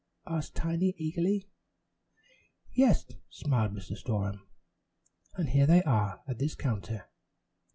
asked Tiny eagerly. "Yes," smiled Mr. Storem, "and here they are at this counter.